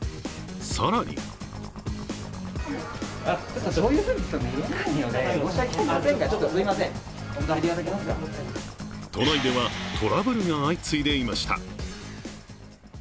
更に都内では、トラブルが相次いでいました。